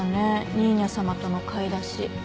ニーニャさまとの買い出し。